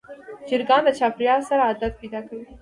چرګان د چاپېریال سره عادت پیدا کوي.